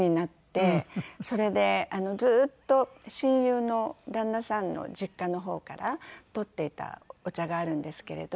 それでずーっと親友の旦那さんの実家の方から取っていたお茶があるんですけれど。